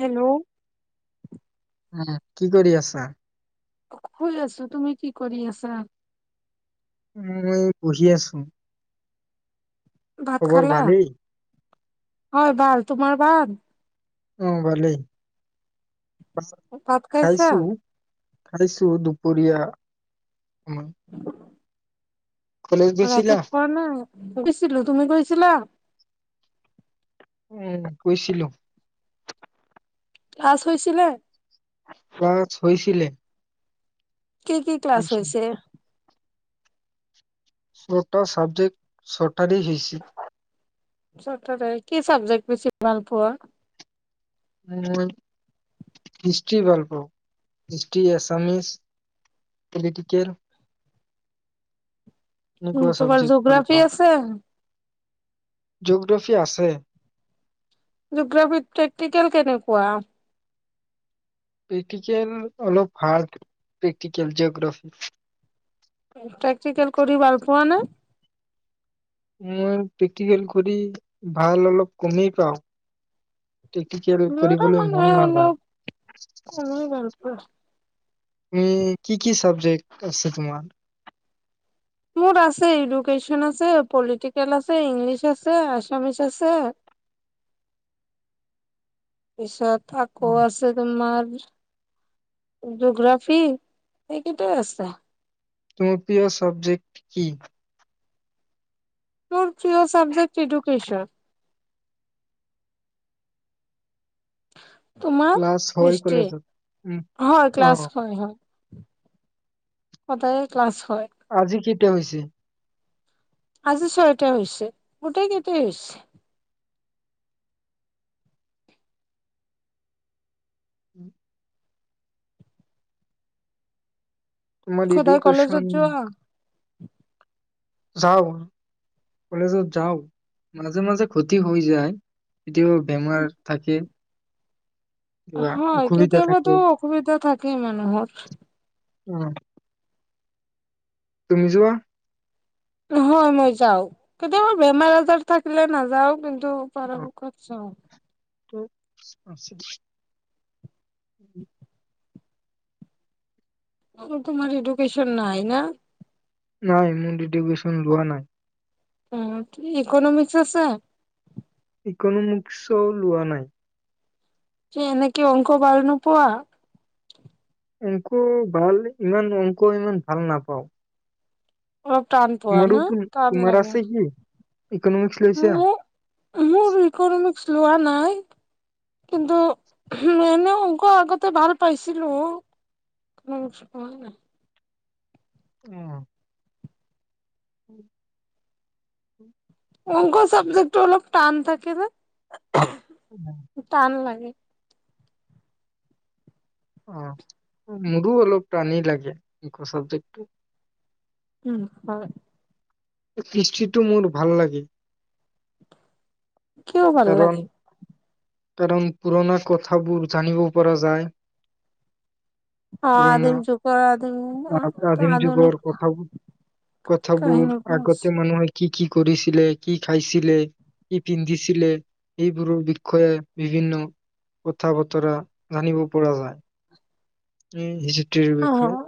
Hello. উ কি কৰি আছা? শুই আছো তুমি কি কৰি আছা? মই পঢ়ি আছো। ভাত খবৰ খালা? ভালেই? হয় ভাল তোমাৰ ভাল? উম ভালেই। ভাত খাইছা? খাইছো, খাইছো দুপৰীয়া। উম। ৰাতি নাই কৰিছিলো তুমি কৰিছিলা। উম কৈছিলো। ক্লাছ হৈছিলে? ক্লাছ হৈছিলে। কি কি ক্লাছ হৈছিল। হৈছে? ছটটা চাবজেক্ট। তঠতেই [unintelligible] হৈছিল চ কি চাবজেক্ট বেছি ভাল পোৱা মই হিষ্ট্ৰী ভাল পাওঁ হিষ্ট্ৰী এছামিছ পলিটিকেল উ এনেকুৱা তোমাৰ জিঅগ্ৰাফি আছে জীঅ'গ্ৰাফী আছে জগ্ৰাফী প্ৰেক্টিকেল কেনেকুৱা প্ৰেক্টিকেল অলপ হাৰ্ড প্ৰেক্টিকেল জিঅ'গ্ৰাফি প্ৰেক্টিকেল কৰি ভাল পোৱা না মই প্ৰেক্টিকেল কৰি ভাল অলপ কমেই পাওঁ প্ৰেক্টিকেল নি কৰিবলৈ মন নাযায়। মানে গ অ উম কি কি চাবজেক্ট আছে তোমাৰ মোৰ আছে এডুকেশচন আছে পলিটিকেল আছে ইংলিছ আছে আছামিচ আছে তাৰ পিছত অ থাকৌ আছে তোমাৰ জগ্ৰাফি এইকেইট আছে তুম প্ৰিয় চাবজেক্ট কি মোৰ প্ৰিয় চাবজেক্ট এডুকেশ্যন ক্লাছ হয় তোমাৰিষ্ট কলেজত? উম হয় অ ক্লাছ হয় হয় কদায় ক্লাছ হয় আজি কি হৈছে আজি ছয়টা হৈছে গোটেই কেইটাই হৈছে উম তোমাৰ খোদায় এডুকেশ্যন কলেজত যোৱা যাও কলেজত যাও মাজে মাজে ক্ষতি হৈ যায় এতিয়াও বেমাৰ থাকে কিবা হয় অসুবিধা থাকে। কেতিয়াবাটোো অসুবিধা থাকেই মানুহৰ উম তুমি যোৱা নহয় মই যাও কেতিয়াাব বেমাৰ আজাৰ থাকিলে নাযাও ত পাৰ কৰিছ ত আছে উম অ তোমাৰ এডুোক্যন নাই ন নাই মুডি ভীষণ লোৱা নাই আহ ইকনমিক্স আছে যিকোনো মুখও লোৱা নাই যে এনেকে অংক ভাল নোপোৱা অংক ভাল ইমান অংক ইমান ভাল নাপাওঁ অলপ টান পোৱা না টান লাগে ইকনমিকস লৈছিয়া মোৰ মোৰ ইকনমিক্স লোৱা নাই কিন্তু এনে অক আগতে ভাল পাইছিলো আহ [inaudible] অংক চাবজেক্ অলপ টান থাকে ন অ', টান লাগে অ মোৰো অলপ টানি লাগে এ চাবজেক্টটো উম হয় কৃষ্টিটো মোৰ ভাল লাগে কিয় ভাল কাৰণ লাগে কাৰণ পুৰণা কথাবোৰ জানিব পৰা যায় অ আদিম যুগৰ আদিম পুৰণা প্ৰাধীন আধুনিক যুগৰ কথ কথাবোৰ কাহিনীবোৰ আছে আগতে মানুহ কি কি কৰিছিলে কি খাইছিলে কি পিন্ধিছিল ছিলে এইবোৰৰ বিষয়ে বিভিন্ন কথা বতৰা জানিব পৰা যায় উ স িৰ বিষয়ে [unintelligible]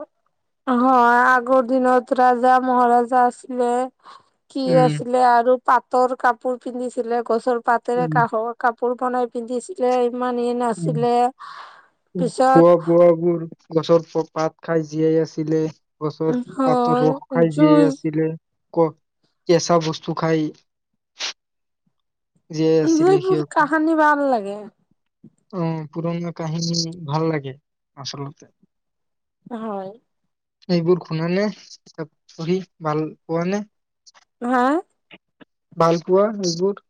হয় আগৰ দিনত ৰাজা মহাৰাজা আছিলিলে কি উম, আছিলে আৰু পাটৰ কাপোৰ পিন্ধিছিলে গছৰ পাতৰে উম, ক পৰব নাই পিন্ধিছিলে [unintelligible] মানি উম। নাছিলে খোৱা পিছত বোৱাবোৰ গছৰ পাত খাই জীয়াই আছিলে গছৰ পাতৰ হয় ৰস খাই যিয়ে জুই আছিলে ক কচা বস্তুু খাই জীয়াই আছিলে এইবোৰ সিহঁতে কাহানী ভাল লাগে অ পুৰণা কাহিনী ভাল লাগে আচলতে হয় এইবোৰ খুনা নে চষ্ট কৰি ভাল পোৱা নে হা ভাল পোনা মজবুৰ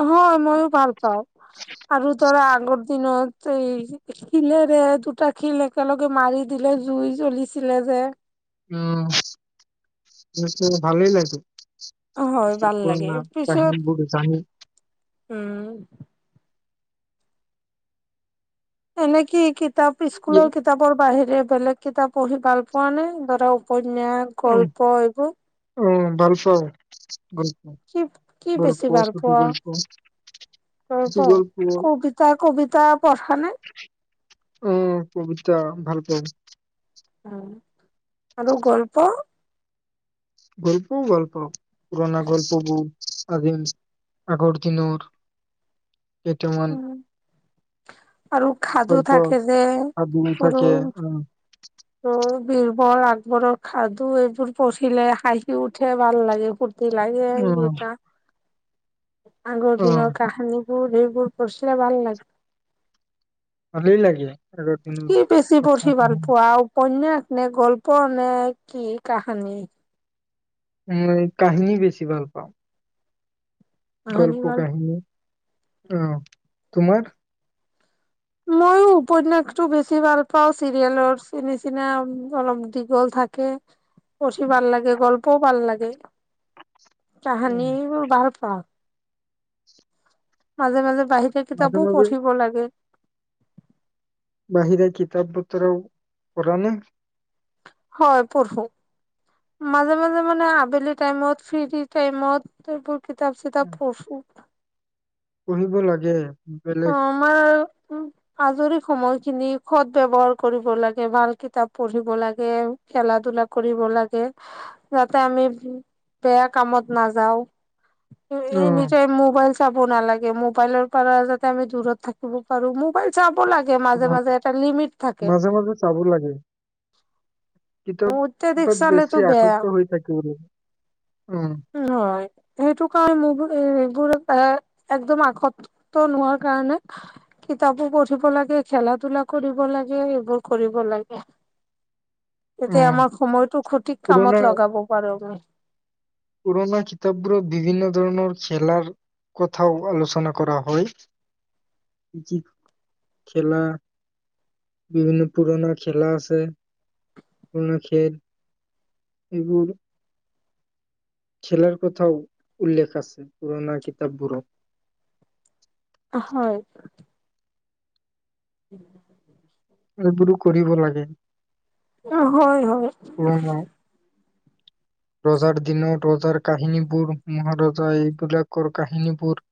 অ মইও ভাল পাওঁ আৰু ধৰা আগৰ দিনত এই শিলেৰে দুটা শিল একেলগে মাৰি দিলে জুই জ্বলিছিলে যে উম নি্চ ভালেই লাগাইছো হয় ভাল লাগে পিছত কাহিনীবোৰ জানি উম এনেে কিি কি কিতাপ স্কুলৰ ইয়ে- কিতাপৰ বাহিৰে বেলেগ কিতাপ পঢ়ি ভাল পোৱা নে ধৰা উপ ন উম, গল্প এইবোৰ অ ভাল পাওঁ গল্প কি কি গল্প বেছি ভাল চুটি পোৱা গল্প চুটি ত গল্প কবিতা কবিতা পঢ় নে অ পবিত্ৰা ভাল পাাব উ আৰু গল্প গল্প গল্প পুৰণা গল্পবোৰ আগ কি দিনৰ কেইটামান আৰু খাদু গল্প থাকে যে সাধু সৰু থাকে উম বীৰবৰ আকবৰৰ সাধু এইবোৰ পঢ়িলে হাঁহি উঠে ভাল লাগেু তি লাগে উম এটা আগৰ অ দিিন কাহানী ুৰবুৰ পছিলে ভাল লাগ আল লাগে আগৰ দিনৰ কি বেছি কথা পঢ়ি ভাল কাহিনী পোৱা উপনয়াস নে গল্প নে কি কাহানী উ কাহিনী বেছি ভাল পাওঁ কাহানী গল্প ভাল কাহিনী আহ তোমাৰ মইো উপনয়াসটো বেছি ভাল পাওঁ চিৰিয়েলৰ চিন চিনা অলপ দীঘল থাকে পঢ়ি ভাল লাগে গল্পও ভাল লাগে উম, কাহানী বাল অ মাজে মাজে বাহিৰে মাজে কিতাপো মাজে পঢ়িব লাগে বাহিৰে কিতাপ বতৰাও পঢ় নে হয় পঢ় মাজে মাজে মানে আবেলি াইমত ফ্ৰী াইমত কিতাপ চিতাপ উম, পঢচ পঢ়িব লাগে অ বেলেগ আমাৰ উ আজৰি সময় খিনি সদ ব্য্ৱহাৰ কৰিব লাগে ভাল কিতাপ পঢ়িব লাগে খেলা ধূলা কৰিব লাগে যাতে আমি বেয়া কামত নাযাও অ এই নিজয় মোবাইল চাব নালাগে মোবাইলৰ পাৰা যাত- তে আমি দূৰত থাকিব পাৰো মোবাইল চাম লাগে মাজে অ মাজে এটা লিমিট থাকে মাজে অত্যাধিক কিতাপ-পত চালেতো বেছি আসক্ত হৈ থাকো উম হয়। সেইটো কাৰণ মোবাইল এইবোৰ এ একদম আসক্ত নোহোৱাৰ কাৰণে কিতাপো পঢ়িব লাগে খেলা ধূলা কৰিব লাগে এইবোৰ কৰিব লাগে। অ এতিয়া আমাৰ সময়টো সঠিক পুৰণা কামত লগাব পাৰো আমি পুৰণা কিতাপবোৰত বিভিন্ন ধৰণৰ খেলাৰ কথাও আলোচনা কৰা হয় কি-খেলা? বিভিন্ন পুৰণা খেলা আছে পুৰণা খেল এইবোৰ খেলাৰ কথাও উল্লেখ আছে পুৰণা কিতাপবোৰত আমি উম এইবোৰো কৰিব লাগে অহ হয়-হয় পুৰণা ৰজাৰ দিনত ৰজাৰ কাহিনীবোৰ, মহাৰজাই এইবিলাকৰ কাহিনীবোৰ,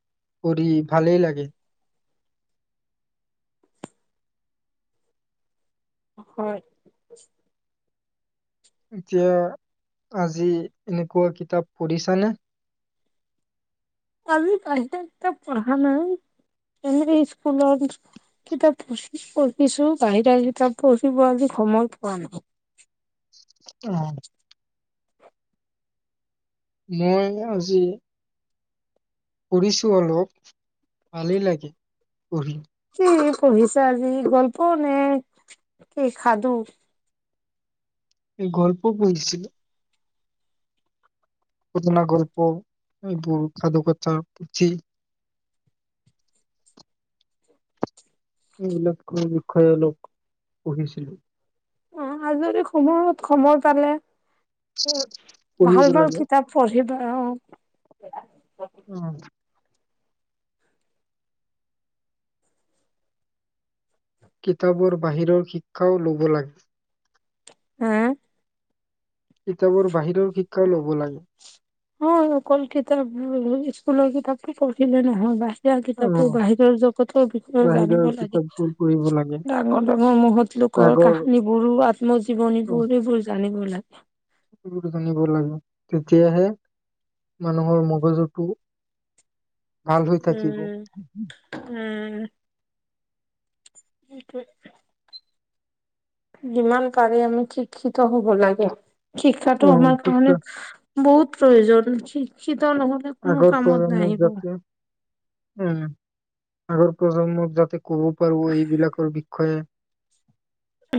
পঢ়ি ভালেই লাগে হয় এতিয়া আজি এনেকোৱা কিতাপ পঢ়িছানে? আমি বাহিৰা কিতাপ পঢ়া নাই আমি স্কুলৰ কিতাপ পঢ়িছো বাহিৰা কিতাপ পঢ়িব আজি সময় পোৱা নাই। অহ মইয়ে আজি পঢ়িছো অলপ ভালেই লাগে পঢ়ি। কি পঢ়িছা আজি? গল্প নে কি সাধু? এই গল্প পঢ়িছিলো। ঘটনা-গল্প, এইবোৰ সাধুকথা, পুথি এইবিলাকৰ বিষয়ে অলপ পঢ়িছিলো। অ আজৰি সময়ত সময় পালে মোৰ পঢ়িব ভাল-ভাল লাগে কিতাপ পঢ়িবা সেইয়াই অহ কিতাপৰ বাহিৰৰ শিক্ষাও ল'ব লাগে আ কিতাপৰ বাহিৰৰ শিক্ষাও ল'ব লাগে। অ অকল কিতাপ স্কুলৰ কিতাপতো পঢ়িলে নহয় বা এতিয়া অ কিতাপবোৰ বাহিৰৰ জগতৰ বিষয়ে বাহিৰৰ জানিব লাগে কিতাপবোৰ পঢ়িব লাগে ডাঙৰ ডাঙৰ মহৎ লোকৰ আগৰ কাহানিবোৰো আত্মজীৱনীবোৰ এইবোৰ জানিব লাগে তোৰোটোও জানিব লাগব, তেতিয়াহে, মানুহৰ মগজুটো ভাল হৈ থাকিব উম [unintelligible] সেইটোৱে যিমান পাৰি আমি শিক্ষিত হব লাগে। অ শিক্ষাটো আমাৰ শিক্ষা কাৰণে বহুত প্ৰয়োজন শিক্ষিত নহলে কোনো আগৰ কামত পৰা মোৰ নাহিব। যাতে উম আগৰ প্ৰজন্ম জাতি ক'ব পাৰো এইবিলাকৰ বিষয়ে হ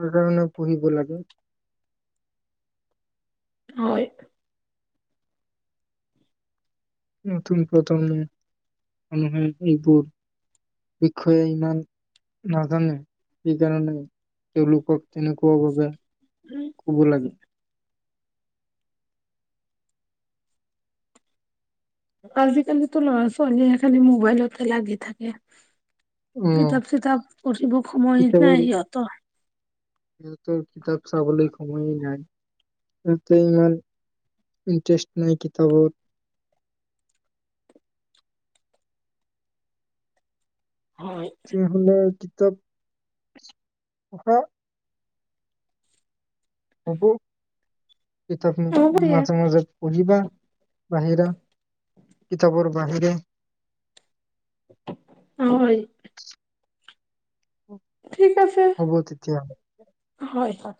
প্ৰতাৰণা পু়িব লাগে হয় নতুন প্ৰথমে মানুহে এইবোৰ বিষয়ে ইমান নাজানে কি কাৰণে তেওঁলোকক তেনেকুৱা বাবে কব লাগে আজিকালি ল'ৰা ছোৱালীয়ে এ খালি মোবাইলতে লাগি থাকে আহ কিতাপ চিতাপ পঢ়িব সময় নাই সিহঁতৰ উম কিতাপ চাবলৈ সময়েই নাই ততে ইমান ইন্টাৰেষ্ট নাই কিতাপৰ হয় যে হলে কিতাপ হ সেকি এই ত হ'ব দিয়া মাজে মাজে পজিবা বাহিৰা কিতাপৰ বাহিৰে হয় ঠিক আছে হ'ব তেতিয়া হয় হয়